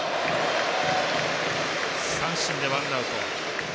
三振でワンアウト。